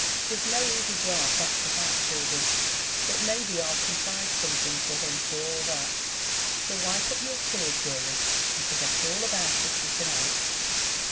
'Tis no easy job, that's a fact^ children ; but maybe I'll contrive something for him for all that; so wipe up your tears, deary, and forget all about it for to night."